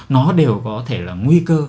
nó đều có thể là nguy cơ